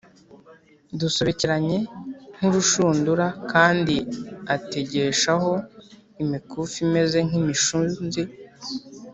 dusobekeranye nk’urushundura, kandi ategeshaho imikufi imeze nk’imishunzi